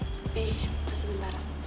eh pas ngebara